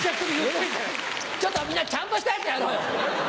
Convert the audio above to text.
ちょっとみんなちゃんとしたやつやろうよ。